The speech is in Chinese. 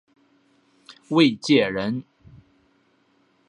卫玠人。